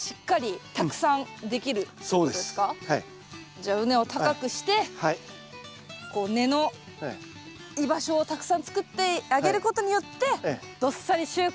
じゃあ畝を高くしてこう根の居場所をたくさん作ってあげることによってどっさり収穫が。